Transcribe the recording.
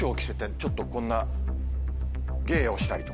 ちょっとこんな。